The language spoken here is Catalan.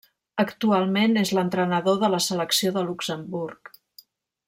Actualment és l'entrenador de la Selecció de Luxemburg.